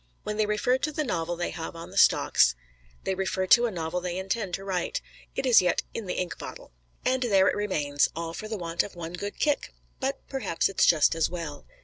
When they refer to the novel they have on the stocks, they refer to a novel they intend to write. It is yet in the ink bottle. And there it remains all for the want of one good kick but perhaps it's just as well.